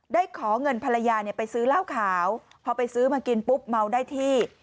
ขอเงินภรรยาเนี่ยไปซื้อเหล้าขาวพอไปซื้อมากินปุ๊บเมาได้ที่